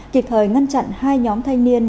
kịp thời ngăn chặn hai nhóm thanh niên